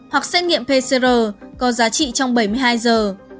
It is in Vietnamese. hoặc xét nghiệm pcr có giá trị trong bảy mươi hai giờ